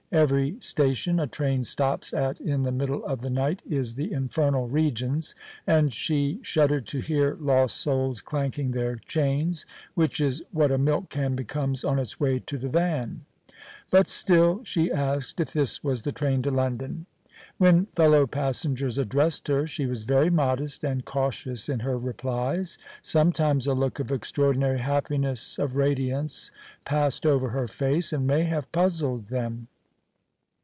Every station a train stops at in the middle of the night is the infernal regions, and she shuddered to hear lost souls clanking their chains, which is what a milk can becomes on its way to the van; but still she asked if this was the train to London. When fellow passengers addressed her, she was very modest and cautious in her replies. Sometimes a look of extraordinary happiness, of radiance, passed over her face, and may have puzzled them.